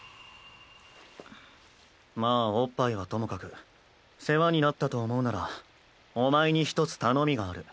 まあおっぱいはともかく世話になったと思うならお前に一つ頼みがある。